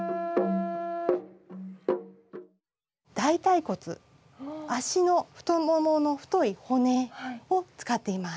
大たい骨足の太ももの太い骨を使っています。